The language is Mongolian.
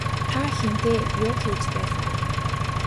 Та хэнтэй юу хийж байсан бэ?